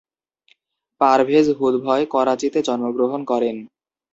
পারভেজ হুদভয় করাচিতে জন্মগ্রহণ করেন।